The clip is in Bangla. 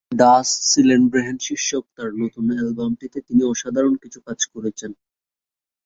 ডাস সিলেনব্রেহেন শীর্ষক তাঁর নতুন অ্যালবামটিতে তিনি অসাধারণ কিছু কাজ করেছেন।